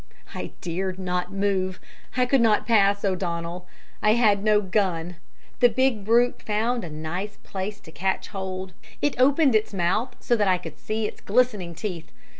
"I dared not move. I could not pass, O'Donnell. I had no gun. The big brute found a nice place to catch hold. It opened its mouth so that I could see its glistening teeth.